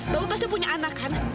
bapak pasti punya anak kan